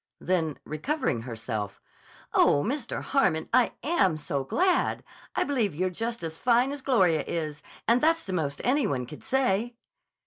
Then, recovering herself: "Oh, Mr. Harmon, I am so glad. I believe you're just as fine as Gloria is—and that's the most any one could say."